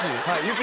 はい。